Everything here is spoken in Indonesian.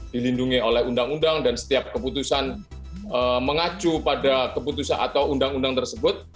dilindungi oleh undang undang dan setiap keputusan mengacu pada keputusan atau undang undang tersebut